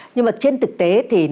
nhưng mà trên thực tế thì nó